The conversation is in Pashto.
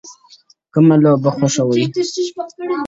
o بیا به له دغه ښاره د جهل رېښې و باسو,